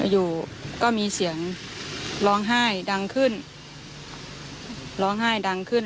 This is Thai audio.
อยู่ก็มีเสียงร้องไห้ดังขึ้น